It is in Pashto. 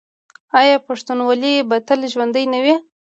آیا پښتونولي به تل ژوندي نه وي؟